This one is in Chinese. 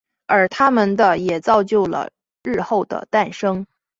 而他们的也造就了日后的诞生。